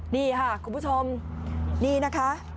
ดีค่ะคุณผู้ชมดีนะคะ